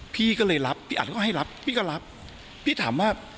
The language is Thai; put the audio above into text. พี่ก็เลยรับพี่อัดก็ให้รับพี่ก็รับพี่ถามว่า